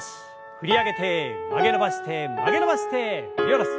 振り上げて曲げ伸ばして曲げ伸ばして振り下ろす。